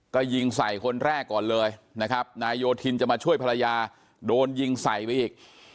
ก็ยิงใส่คนแรกก่อนเลยนะครับนายโยธินจะมาช่วยภรรยาโดนยิงใส่ไปอีก